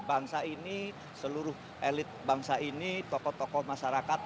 bangsa ini seluruh elit bangsa ini tokoh tokoh masyarakat